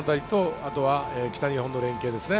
あとは北日本の連携ですね。